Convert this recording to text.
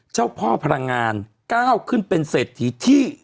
เจ้าพ่อพลังงานก้าวขึ้นเป็นเศรษฐีที่